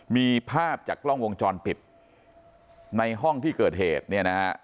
มีภาพจากกล้องวงจรปิดในห้องที่เกิดเหตุเนี่ยนะฮะ